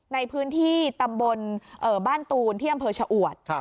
ในพื้นที่ตำบลบ้านตูนที่อำเภอชะอวด